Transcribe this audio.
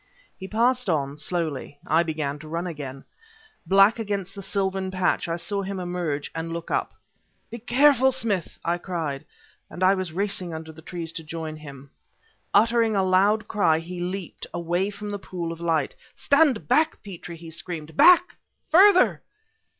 He passed on, slowly. I began to run again. Black against the silvern patch, I saw him emerge and look up. "Be careful, Smith!" I cried and I was racing under the trees to join him. Uttering a loud cry, he leaped away from the pool of light. "Stand back, Petrie!" he screamed "Back! further!"